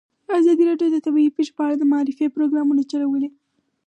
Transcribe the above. ازادي راډیو د طبیعي پېښې په اړه د معارفې پروګرامونه چلولي.